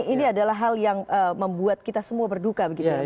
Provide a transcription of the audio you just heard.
ini adalah hal yang membuat kita semua berduka begitu ya